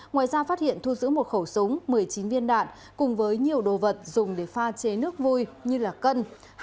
ngoài ra phát hiện thu giữ một khẩu súng một mươi chín viên đạn cùng với nhiều đồ vật dùng để pha chế nước vui như cân